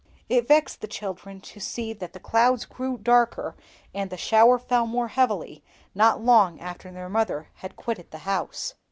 It vexed the children to see that the clouds grew darker and the shower fell more heavily not long after their mother had quitted the house.